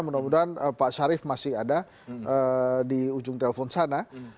mudah mudahan pak syarif masih ada di ujung telepon sana